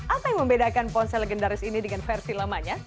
apa yang membedakan ponsel legendaris ini dengan versi lamanya